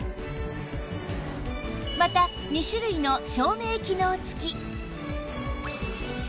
また２種類の照明機能付き